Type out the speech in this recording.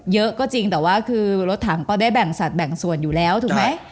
เยอะก็จริงแต่ว่าคือรถถังก็ได้แบ่งสัตวแบ่งส่วนอยู่แล้วถูกไหม